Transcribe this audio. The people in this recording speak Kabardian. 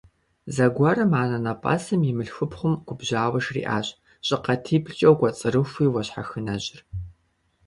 Зэгуэрым анэнэпӀэсым и мылъхупхъум губжьауэ жриӀащ: – ЩӀыкъатиблкӀэ укӀуэцӀрыхуи уэ щхьэхынэжьыр!